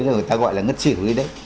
người ta gọi là ngất xỉu đi đấy